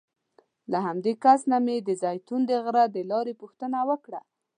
له همدې کس نه مې د زیتون د غره د لارې پوښتنه وکړه.